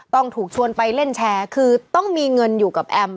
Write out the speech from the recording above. ต้องถูกชวนไปเล่นแชร์คือต้องมีเงินอยู่กับแอม